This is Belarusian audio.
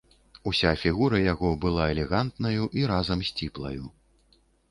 Уся фігура яго была элегантнаю і разам сціплаю.